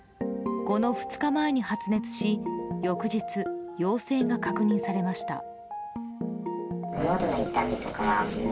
この２日前に発熱し翌日、陽性が確認されました。